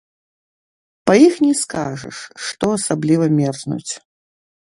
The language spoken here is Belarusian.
Па іх не скажаш, што асабліва мерзнуць.